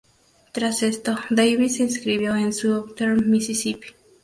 Tras esto, Davis se inscribió en Southern Mississippi.